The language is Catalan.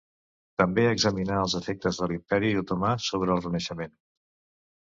També examinà els efectes de l'Imperi otomà sobre el Renaixement.